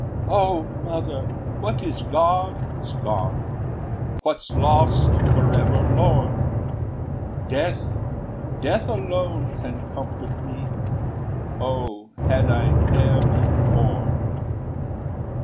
"O mother, what is gone, is gone, What's lost forever lorn; Death, death alone can comfort me; O had I ne'er been born!